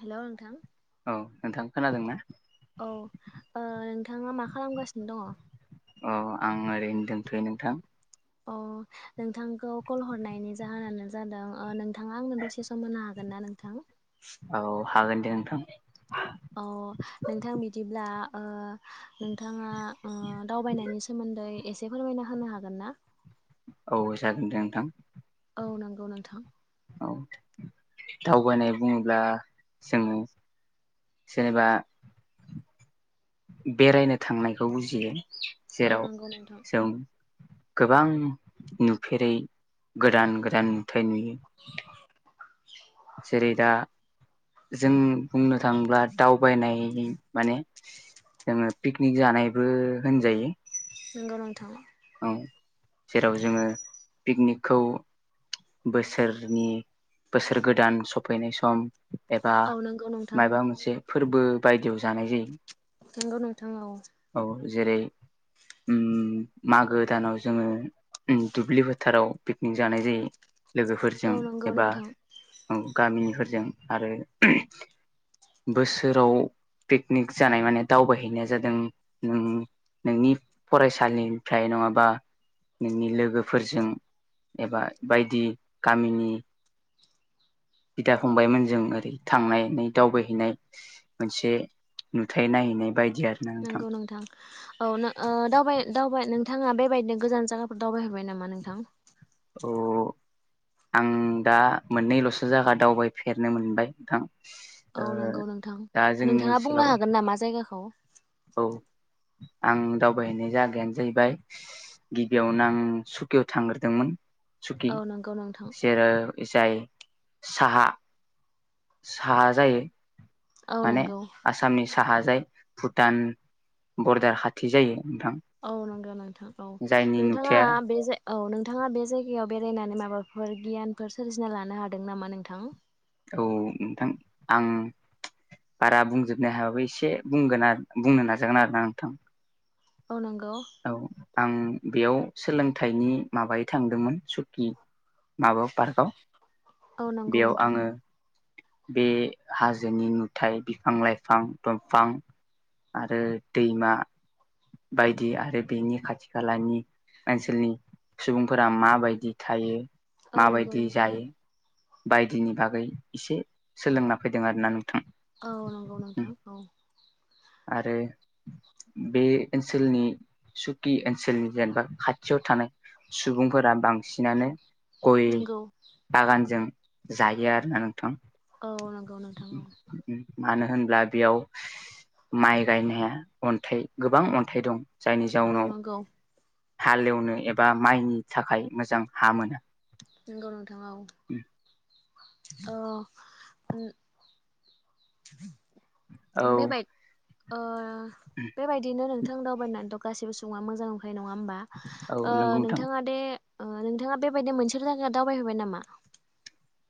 हेल' नोंथां औ नोंथां खोनादों ना? औ ओ नोंथाङा मा खालामगासिनो दङ? औ आं ओरैनो दोनथ'यो नोंथां। अ नोंथांखौ कल हरनायनि जाहोनानो जादों ओ नोंथाङा आंनो दसे सम होनो हागोन ना नोंथां? औ हागोन दे नोंथां। अ नोंथां बिदिब्ला ओ नोंथाङा ओ दावबायनायनि सो मोन्दै एसे फोरमायना होनो हागोन ना? औ जागोन दे नोंथां। औ नंगौ नोंथां। औ दावबायनाय बुङोब्ला जोङो जेनेबा बेरायनो थांनायखौ बुजियो औ जेराव नंगौ नोंथां जों गोबां नुफेरै गोदान गोदान नुथाय नुयो। जेरै दा जों बुंनो थाङोब्ला दावबायनाय माने जोङो पिकनिक जानायबो होनजायो। नोंगौ नोंथां। औ जेराव जोङो पिकनिकखौ बोसोरनि बोसोर गोदान सफैनाय सम एबा औ नंगौ नोंथां मायबा मोनसे फोरबो बायदियाव जानाय जायो। नोंगौ नोंथां‌ औ। औ जेरै उम मागो दानाव जोङो दुब्लि फोथाराव पिकनिक जानाय जायो। लोगोफोरजों औ नंगौ एबा नोंथां गामिनिफोरजों आरो बोसोराव पिकनिक जानाय माने दावबायहैनाया जादों नों नोंनि फरायसालिनिफ्राय नङाबा नोंनि लोगोफोरजों एबा बायदि गामिनि बिदा फंबायमोनजों ओरै थांनायै दावबायहैनाय मोनसे नुथाय नायहैनाय बाय नंगौ नोंथां औ दावबाय-दावबाय नों नोंथाङा बेबायदिनो गोजान जायाफोर दावबायहरबाय नामा नोंथां? आं दा मोननैल'सो जायगा दावबायफेरनो मोनबाय नोंथां। ओ औ नंगौ दा नोंथां जोंनि नोंथाङा बुंनो ओनसोलाव हागोन नामा जायगाखौ औ आं दावबायहैनाय जागायानो जाहैबाय गिबियावनो आं सुकियाव थांग्रोदोंमोन। सुकि औ नंगौ नोंथां जेरै जाय साहा साहा जायो औ माने नंगौ आसामनि साहाजाय भुटान बरदार खाथि जायो। नोंथां औ नंगौ नोंथां औ जायनि नोंथाङा नुथाया बे जा औ नोंथाङा बे जायगायाव बेरायनानै माबाफोर गियानफोर सोरजिना लानो हादों नामा नोंथां? औ नोंथां आं बारा बुंजोबनो हायाबो एसे बुंगोन बुंनो नाजागोन आरो ना नोंथां। औ नंगौ। औ आं बेयाव सोलोंथाइनि माबायै थांदोंमोन सुकि माबा पार्कआव औ नंगौ बेयाव नोंथां आङो बे हाजोनि नुथाय बिफां लाइफां दंफां आरो दैमा बायदि बिदि आरो बेनि खाथि खालानि ओनसोलनि सुबुंफोरा माबायदि थायो औ नंगौ माबायदि नोंथां जायो बायदिनि बागै एसे सोलोंना फैदों आरोनादों औ नंगौ नोंथां औ आरो बे ओनसोलनि सुकि ओनसोलनि जेनेबा खाथियाव थानाय सुबुंफोरा बांसिनानो गय नंगौ बागानजों जायो आरो ना औ नंगौ नोंथां मानो होनब्ला बेयाव माइ गायनाया अन्थाइ गोबां अन्थाइ दं जायनि औ जाउनाव नंगौ हालेवनो एबा माइनि थाखाय मोजां हा मोना नंगौ नोंथां औ औ बेबा बेबायदिनो नोंथां दावबायनानै दं गासिबो सुबुङा मोजां नङा होनबा औ नंगौ नोंथां नोंथाङा दे नोंथाङा बेबायदि मोनसे थाखाया दावबायहोबाय नामा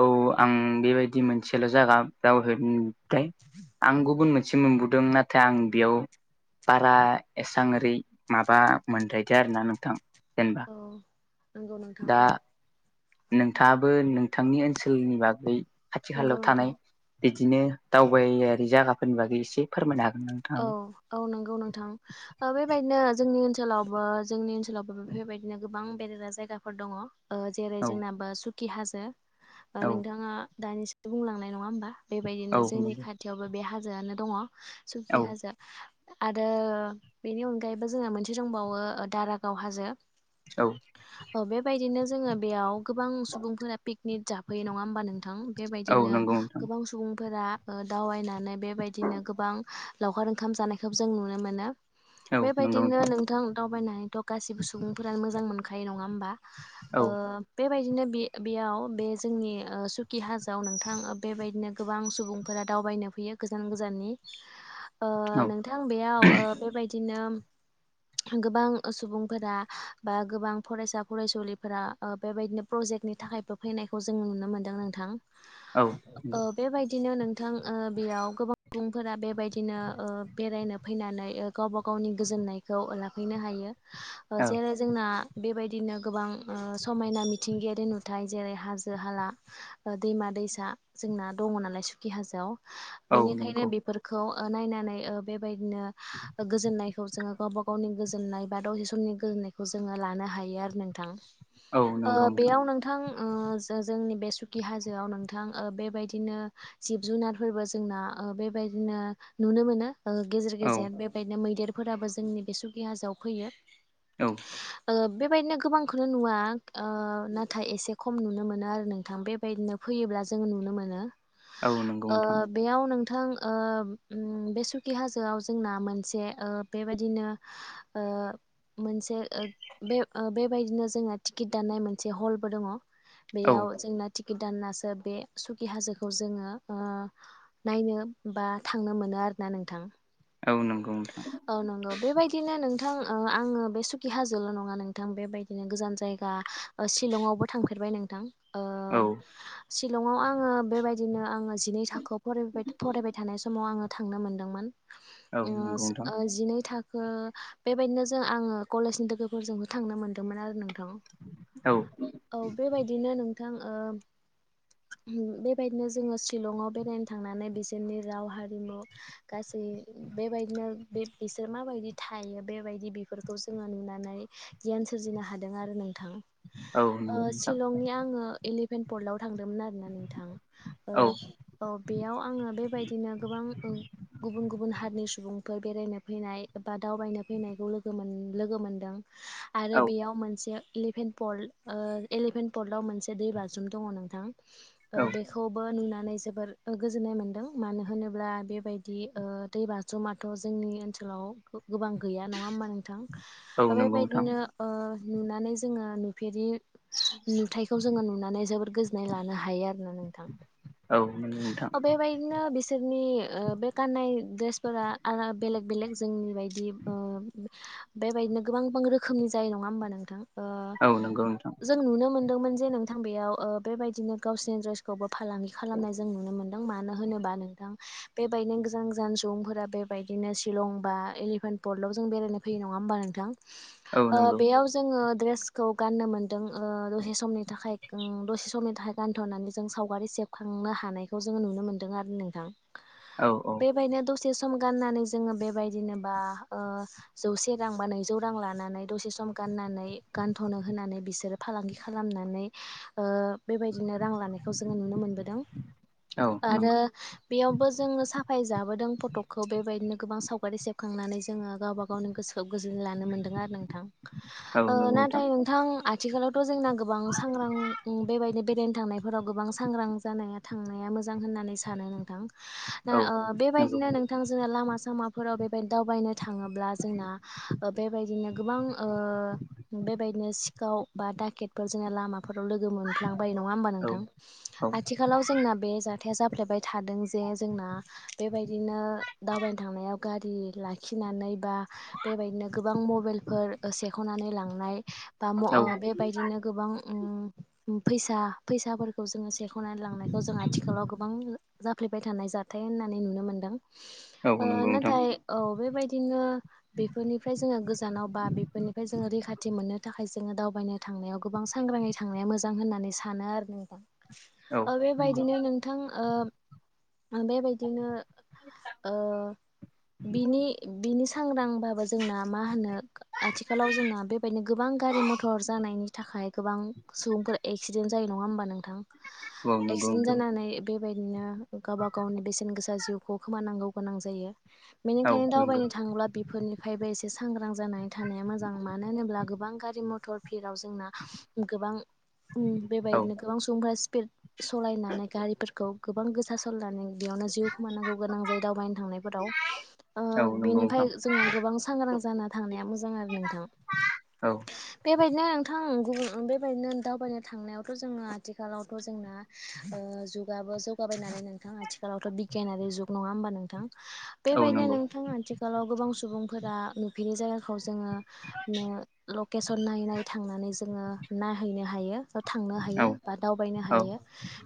औ आं बेबायदि मोनसेल' जायागा दावगाहैबाय आं गुबुन मोनसे मोनसे मोनबोदों नाथाय आं बेयाव बारा एससां ओरै माबा मोनद्रायदो आरो ना नोंथां जेनेबा औ नंगौ नोंथां दा औ नोंथाङाबो नोंथांनि ओनसोलनि बागै खाथि नंगौ खालायाव नोंथां थानाय बिदिनो दावबायारि जायगाफोरनि बागै एसे फोरमायनो हा औ औ नंगौ नोंथां ओ बेबायदिनो जोंनि ओनसोल लावबो जोंनि ओनसोलावबो बेफोरबायदिनो गोबां बेरायग्रा जायगाफोर दङ। जेरै औ जोंनाबो सु खि हाजो औ नोंथाङा दानिसो बुंलांनाय नङा होमबा। औ बेबायदिनो जोंनि नंगौ खाथियावबो बे हाजोआनो दङ। औ सुखि हाजोङा आरो बेनि अनगायैबो जोंहा मोनसे दंबावो दारागाव हाजो औ औ बेबायदिनो जोङो बेयाव गोबां सुबुंफोरा पिकनिक जा फैयो नङा होमबा नोंथां औ बेबायदिनो नंगौ नोंथां गोबां सुबुं फोरा दावबायनानै बेबायदिनो गोबां लावखार ओंखाम जानायखौ जों नुनो मोनो। औ नंगौ बेबायदिनो नोंथां दावबायनानै थ' गासिबो सुबुंफ्रा मोजां मोनखायो नङा होनबा। औ ओ बेबायदिनो बे-बेयाव जोंनि सुकि हाजाव नोंथां बेबायदिनो गोबां सुबुंफोरा दावबायनो फैयो गोजान गोजाननि ओ औ नोंथां बेयाव बेबायदिनो गोबां सुबुंफोरा बा गोबां फरायसा फरायसुलिफोरा बेबायदिनो प्र जेटनि थाखायबो फैनायखौ जोङो नुनो मोन्दों नोंथां औ बिदिनो नोंथां ओ बेयाव गोबां सुबुं फोर बेबायदिनो बेरायनो फैनानै गावबा गावनि गोजोननायखौ लाफैनो हायो ओ औ जेरै जोंना बेबाय दिनो ओ गोबां समायना मिथिंगायारि नुथाय जेरै हाजो हाला ओ दैमा दैसा जोंना दङ नालाय सुखि हाजोआव औ बेनिखायनो नंगौ बेफोरखौ ओ नायनानै ओ बेबायदिनो गोजोननाय खौ जोङो गावबा गावनि गोजोननाय बा दसे समनि गोजोननायखौ जोङो लानो हायो आरो नोंथां। औ ओ नंगौ बेयाव नोंथां ओ जो-जोंनि बे सुखि हाजोआव ओ नोंथां बेबायदिनो जिब जुनारफोरबो जोंना ओ बे बायदिनो नुनो मोनो गेजेर औ गेजेर बेबायदिनो मैदेर फोराबो जोंनि बे सुखि हाजोआव फैयो औ बेबायदिनो गोबांखौनो नुवा ओ नाथाय एसे खम नुनो मोनो आरो नोंथां बेबायदिनो फैयोब्ला जों नुनो मोनो औ नंगौ ओ नोंथां बेयाव नोंथां ओ उम बे सुखि हाजोआव जोंना मोनसे ओ बेबायदिनो ओ मोनसे ओ बे ओ बेबायदिनो जोङो टिकेट दाननाय मोनसे हलबो दङ। औ बेयाव जोंना टिकिट दानसो बे सुखि हाजोखौ जोङो ओ नायनो बा थांनो मोनो आरो ना नोंथां औ नंगौ नोंथां औ नंगौ बेबायदिनो नों नोंथां आङो बे सुकि हाजोल' नङा नोंथां बेबायदिनो गोजान जायगा ओ शिलंआवबो थांफेरबाय नोंथां ओ औ औ शिलंआव आङो बेबायदिनो आङो जिनै थाखोआव फरायबाय थानार समाव आङो थांनो मोनदोंमोन नंगौ नोंथां ओ जिनै थां ओ बेबायदिनो जों आङो कलेजनि लोगोफोरजोंबो थांनो मोनदोंमोन आरो आङो औ औ बेबायदिनो नों थां ओ बेबायदिनो जोङो शिलंआव बेरायनो थांनानै बे सोरनि राव हारिमु गासै बेबायदिनो बे बिसोर माबायदि थायो बेबाय दि बेफोरखौ जोङो नुनानै गियान सोरजिनो हादों आरो नोंथां औ ओ नंगौ नोंथां शिलंनि आङो एलिफेन्ट पर्टाव थांदोंमोन आरोना नोंथां ओ औ औ बेयाव आङो बे बायदिनो गोबां गुबुन गुबुन हारिनि सुबुंफोर बेरायनो फैनाय बा दावबायनो फैनायखौ लोगो मोन लोगो मोनदों आरो औ बेयाव मोनसे इलिभेन पल उह इलिभेन पलटआव मोनसे दै बाज्रुम दङ नोंथां। उह औ बेखौबो नुनानै जोबोर गोजोननाय मोन्दों मानो होनोब्ला बेबायदि उह दै बाज्रुमाथ' जोंनि ओनसोलाव गोबां गैया नङा होमबा नोंथां औ नंगौ नोंथां बेबायदिनो ओह नुनानै जोङो नुफेरि नुथायखौ जोङो नुनानै जोबोद गोजोननाय लानो हायो आरो नोंथां औ नंगौ नोंथां बेबायदिनो बिसोरनि बे गाननाय द्रेसफोरा बेलेग बेलेग जोंनि बायदि ओ बेबायदिनो गोबां बां रोखोमनि जायो नङा होमबा नोंथां? ओ औ नंगौ नोंथां जों नुनो मोनदोंमोन जे नोंथां बेयाव ओ बेबायदिनो गावसोरनि ड्रेसखौबो फालांगि खालामनाय जों नुनो मोन्दों। मानो होनोबा नोंथां बेबायदिनो गोजान गोजान सुबुंफोरा बेबायदिनो शिलं बा एलिभेन पल लाव जों बेरायनो फैयो नङा होनब्ला नोंथां? औ ओ नंगौ बेयाव जोंङो ड्रेसखौ गाननो मोनदों ओ दसे समनि थाखाय ओ दसे समनि थाखाय गानथ'नानै जों सावगारि से बखांनो हानायखौ जों नुनो मोनदों आरो नोंथां औ औ बेबायदिनो द से सम गाननानै जोङो बेबायदिनो बा ओ जौसे रां बा नैजौ रां लानानै दसे सम गाननानै गानथ'नो होनानै बिसोरो फालांगि खालामनानै ओ बेबायदिनो रां लानायखौ जोङो नुनो मोनबोदों। औ आरो नंगौ बेयावबो जोङो साफाय जाबोदों फटकखौ बेबायदिनो गोबां सावगारि सेबखांनानै जों जोङो गावबा गावनि गोसोखौ गोजोननाय लानो मोनदों आरो नोंथां औ नंगौ नाथाय नोंथां आ थिखालावथ' जोंना गोबां सांग्रां बेबायदि बेरायनो थांनायफोराव गोबां सांग्रां जानाया थांनाया मो‌ जां होननानै सानो नोंथां औ ओ नंगौ बेबायदिनो नोंथां जोंहा लामा सा माफोराव बेबायदि दावबायनो थाङोब्ला जोंना ओ बेबायदिनो गोबां ओ बे दिनो सिखाव बा डाकेटफोर जों लामा फोराव लोगो मोनफ्लांबाय नङा हनबा औ नोंथां? आथिखालाव जोंना बे जाथाया जाफ्लेबाय थादों जे जोंना बेबायदिनो दावबायनो थांनायाव गारि लाखिनो नानै बा बेबायदिनो गोबां मबाइलफोर सेख'नानै लांनाय बा औ ओ बेबायदिनो गोबां फैसा फैसाफोरखौ जोङो सेख'नानै लांनायखौ जों आथिखा जाफ्लेबाय थानाय जाथाय होननानै नुनो मोनदों। औ ओ नंगौ नोंथां नाथाय औ बेबायदिनो बेफोरनिफ्राय जोङो गोजानाव बा बेफोरनिफ्राय जोङो रैखाथि दि मोननो थाखाय जोङो दावबायनो थांनायाव गोबां सांग्राङै थांनाया मोजां होननानै सानो आरो औ नोथां ओ बेबायदिनो ओ बिनि बिनि सांग्रांबाबो जोंना मा होनो आथिखालाव जोंना बेबायदिनो गोबां गारि मथर जानायनि थाखाय गोबां सुबुंफोरा एक्सिडेन्ट जायो नङा होमबा नोंथां औ नंगौ एक्सिडेन्ट नोंथां जानानै बेबायदिनो गावब गावनि बेसेन गोसा जिउखौ खोमानांगौ गोनां जायो। औ बेनिखायनो नंगौ दावबायनो थाङोब्ला बेफोरनिफ्रायबो एसे सांग्रां जानानै थानाया मोजां मानो होनोब्ला गोबां गारि मथर भीराव जोंना गोबां औ बेबायदिनो गोबां सुबुंफोरा स्पिद सालायनानै गारिफोरखौ गोबां गोसा सालायनानै बेयावनो जिउ खोमानांगौ गोनां जायो दावबायनो थांनायफोराव औ नंगौ बिनिफ्राय नोंथां जोंहा गोबां सांग्रां जानानै थांनाया मोजां आरो नोंथां। औ बेबायदिनो नोंथां बेबायदिनो दावबायनो थांनायावथ' जोङो आथिखालावथ' जोंना ओ जुगाबो जौगाबाय नालाय नोंथां आथिखालावथ' बिगियानारि जुग नङा होमबा नोंथां? औ बेबायदिनो नंगौ नोंथां आथिखालाव गोबां सुबुंफोरा नुफेरै जायगाखौ जोङो लकेसन नायै नायै थांनानै जोङो नायहैनो हायो। थांनो औ हायो बा दावबायनो औ हायो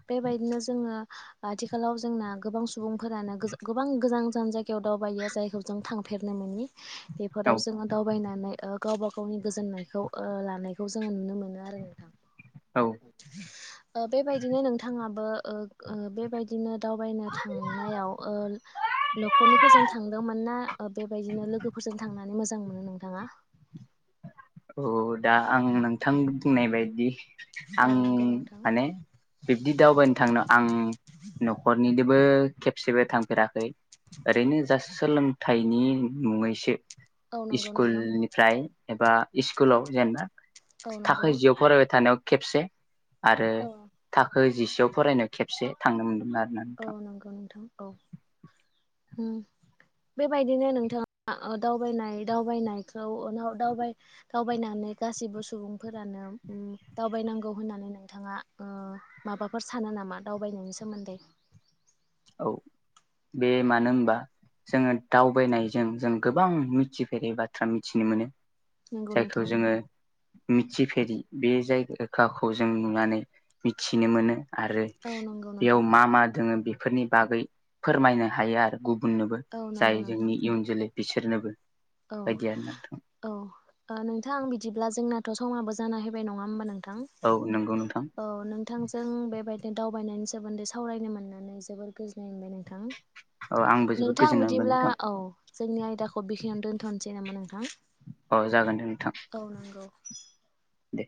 बेबायदिनो आथिखालाव जोंना गोबां सुबुंफोरानो गोबां गोजान गोजान जायगायाव दावबायो जायखौ जों थांफेरनो मोनि औ बेफोराव जोङो दावबायनानै गावबा गावनि गोजोननायखौ लानायखौ जोङो नुनो मोनो आरो नोंथां औ ओ बेबायदिनो नोंथाङाबो ओ बेबायदिनो दावबायनो थांनायाव ओ नखरनिफोरजों थांदोंमोन ना बेबायदिनो लोगोफोरजों थांदों नानै मोजां मोनो नोंथाङा औ दा आं नोंथां बुंनाय बायदि औ आं नंगौ नोंथां माने बिब्दि दावबायनो थांनो आं न'खरनिजोंबो खेबसेबो थांफेराखै ओरैनो जा सोलोंथाइनि मुङैसो औ नंगौ स्कुल नोंथां निफ्राय एबा सस्कुलाव जेनेबा औ नंगौ थाखो जिआव फरायबाय थानायाव खेबसे आरो औ थाखो जिसे याव फरायनायाव खेबसे थांनो मोन्दोंमोन आरो औ नंगौ नोंथां औ बेबायदिनो नोंथाङा दावबायनाय दावबायनाय आव दावबाय दावबायनानै गासिबो सुबुंफोरानो दावबायनांगौ होननानै नोंथाङा माबाफोर सानो नामा दावबायनायनि सोमोन्दै औ बे मानो होनबा जोङो दावबायनायजों जों गोबां मिथिफेरै बाथ्रा मिथिनो मोनो नंगौ जायखौ नोंथां जोङो मिथिफेरि बे जायगाखौ जों नुनानै मिथिनो मोनो आरो औ नंगौ नोंथां बेयाव मा मा दोङो बेफोरनि बागै फोरमायनो हायो आरो गुबुननोबो औ नंगौ जाय नोंथां जोंनि इयुन जोलै बिसोरनोबो औ बायदि आरो नोंथां औ नोंथां आं बिदिब्ला जोंना समाबो जाना फैबाय नङा होमबा नोंथां औ नंगौ नोंथां औ नोंथांजों बेबाय दावबायनायनि सोमोन्दै सावरायनो मोननानै जोबोर गोजोननाय मोनबाय नोंथां औ आंबो जोबोद नोंथां गोजोननाय मोनबाय बिदिब्ला नोंथां औ जोंनि आयदाखौ बेखिनिनो दोन थनोसै नामा नोंथां अ जागोन दे नोंथां औ नंगौ दे